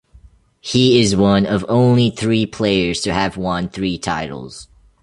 He is one of only three players to have won three titles.